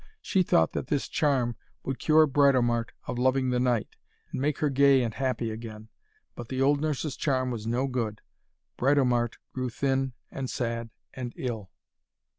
She thought that this charm would cure Britomart of loving the knight, and make her gay and happy again. But the old nurse's charm was no good. Britomart grew thin and sad and ill.